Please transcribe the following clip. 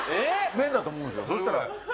⁉麺だと思うんですよそしたら。